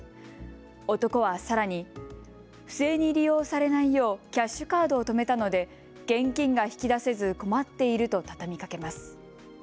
男はさらに不正に利用されないようキャッシュカードを止めたので現金が引き出せず困っていると畳みかけます。